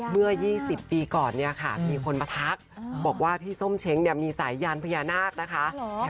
เมื่อ๒๐ปีก่อนเนี่ยค่ะมีคนมาทักบอกว่าพี่ส้มเช้งเนี่ยมีสายยานพญานาคนะคะ